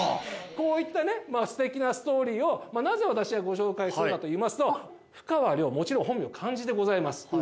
こういったね、すてきなストーリーを、なぜ私がご紹介するかといいますと、ふかわりょう、もちろん本名は漢字でございます。